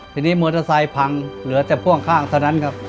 ทีนี้มอเตอร์ไซค์พังเหลือแต่พ่วงข้างเท่านั้นครับ